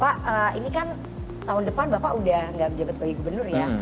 pak ini kan tahun depan bapak udah gak menjabat sebagai gubernur ya